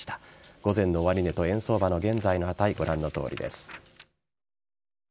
午前の終値と円相場の現在の値ご覧のとおりです。